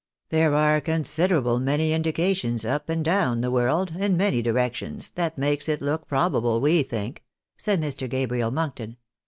There are con siderable many indications, up and down the world, in many di rections, that makes it look probable, we think," said Mr. Gabriel Monkton.